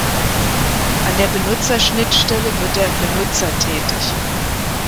An der Benutzerschnittstelle wird der "Benutzer" tätig.